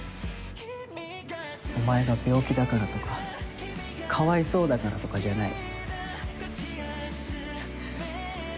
お前が病気だからとかかわいそうだからとかじゃない。